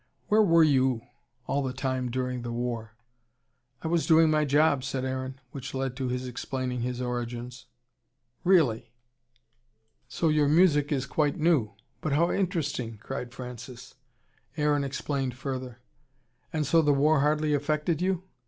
"Where were YOU all the time during the war?" "I was doing my job," said Aaron. Which led to his explaining his origins. "Really! So your music is quite new! But how interesting!" cried Francis. Aaron explained further. "And so the war hardly affected you?